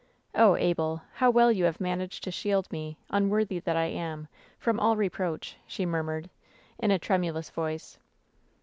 "Oh, Abel, how well you have managed to shield me, unworthy that I am, from all reproach 1" she murmured, in a tremulous voice.